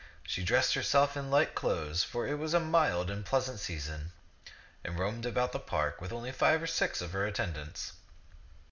She dressed herself in light clothes, for it was a mild and pleasant season, and roamed about in the park with only five or six of her attendants.